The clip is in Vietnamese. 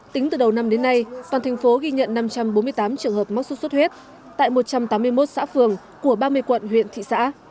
tính từ đầu năm đến nay toàn thành phố ghi nhận năm trăm bốn mươi tám trường hợp mắc sốt xuất huyết tại một trăm tám mươi một xã phường của ba mươi quận huyện thị xã